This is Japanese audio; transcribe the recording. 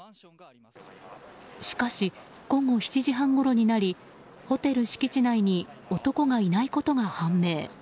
しかし午後７時半ごろになりホテル敷地内に男がいないことが判明。